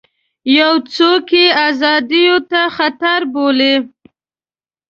یو څوک یې ازادیو ته خطر بولي.